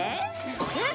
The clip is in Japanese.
えっ？